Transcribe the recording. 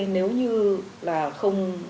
nếu như là không